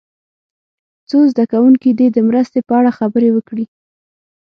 څو زده کوونکي دې د مرستې په اړه خبرې وکړي.